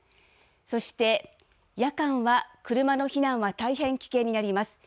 そして、夜間は、車の避難は大変危険になります。